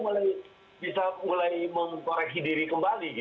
rasanya kita mulai bisa mengkoreksi diri kembali